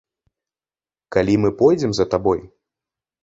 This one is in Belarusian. Калі мы пойдзем за табой?